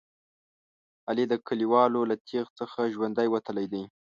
علي د کلیوالو له تېغ څخه ژوندی وتلی دی.